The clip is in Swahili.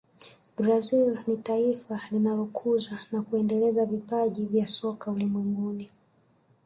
brazil ni taifa linalokuza na kuendeleza vipaji vya soka ulimwenguni